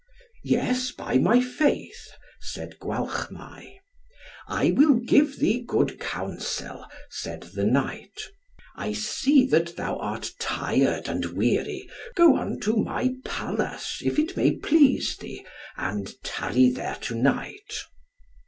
"Yes, by my faith," said Gwalchmai. "I will give thee good counsel," said the knight. "I see that thou art tired and weary, go unto my palace, if it may please thee, and tarry there to night."